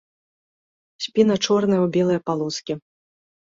Спіна чорная ў белыя палоскі.